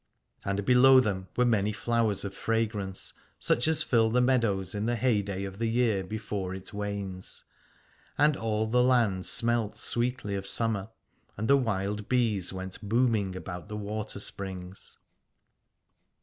And below them were many flowers of fragrance, such as fill the meadows in the heyday of the year before it wanes : and all the land smelt sweetly of summer, and the wild bees went booming about the water springs.